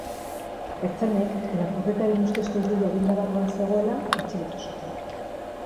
Ertzainek lapurretaren ustezko egilea denda barruan zegoela atxilotu zuten.